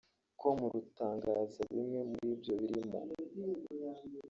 com rutangaza bimwe muri byo birimo